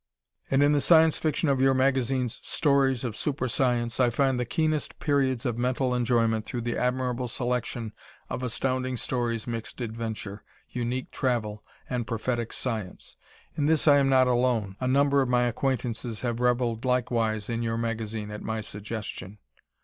And in the Science Fiction of your magazine's stories of super science, I find the keenest periods of mental enjoyment through the admirable selection of Astounding Stories' mixed adventure, unique travel and prophetic science. In this I am not alone a number of my acquaintances have reveled likewise in your magazine at my suggestion.